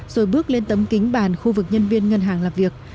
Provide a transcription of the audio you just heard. rồi bước lên tấm kính bàn khu vực nhân viên ngân hàng làm việc